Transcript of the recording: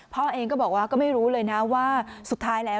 พ่อเองก็บอกว่าก็ไม่รู้เลยนะว่าสุดท้ายแล้ว